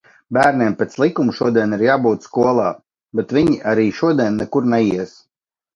Bērniem pēc likuma šodien ir jābūt skolā, bet viņi arī šodien nekur neies.